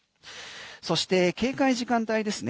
そして警戒時間帯ですね